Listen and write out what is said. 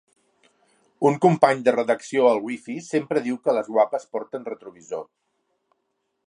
Un company de redacció al Wifi sempre diu que les guapes porten retrovisor.